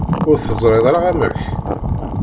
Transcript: Ur teẓriḍ ara amek?